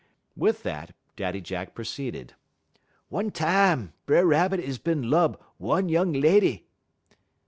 With that, Daddy Jack proceeded: "One tam, B'er Rabbit is bin lub one noung leddy."